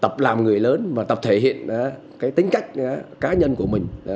tôi là một người lớn và tập thể hiện tính cách cá nhân của mình